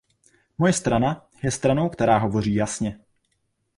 Moje strana je stranou, která hovoří jasně.